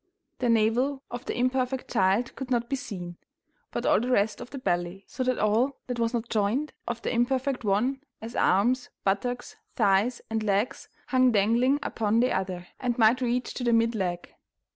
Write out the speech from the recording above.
The navel of the imperfect child could not be seen, but all the rest of the belly, so that all that was not joined of the imperfect one, as arms, buttocks, thighs, and legs, hung dangling upon the other, and might reach to the mid leg.